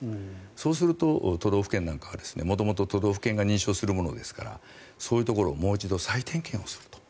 そうすると都道府県なんかは元々、都道府県が認証するものですからそういうところをもう一度再点検をすると。